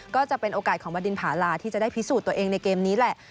ก็จะเป็นโอกาสของบดินผาลาที่จะได้พิสูจน์ตัวเองในเกมนี้แหละ